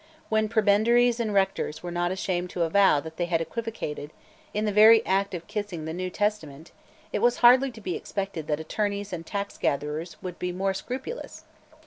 When Prebendaries and Rectors were not ashamed to avow that they had equivocated, in the very act of kissing the New Testament, it was hardly to be expected that attorneys and taxgatherers would be more scrupulous.